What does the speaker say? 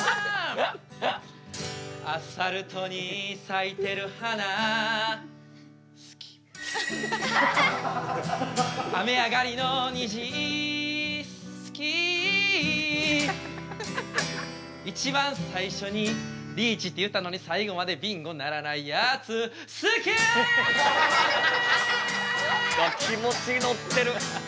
アスファルトに咲いてる花好き雨上がりのにじ好き一番最初にリーチって言ったのに最後までビンゴにならないやつ好きうわ気持ち乗ってる！